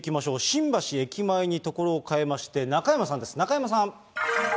新橋駅前に所を変えまして、中山さんです。